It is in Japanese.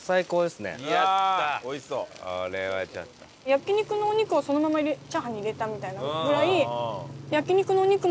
焼肉のお肉をそのままチャーハンに入れたみたいなぐらい。